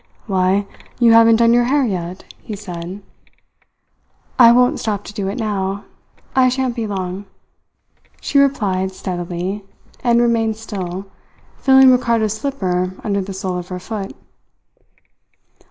"Why, you haven't done your hair yet," he said. "I won't stop to do it now. I shan't be long," she replied steadily, and remained still, feeling Ricardo's slipper under the sole of her foot.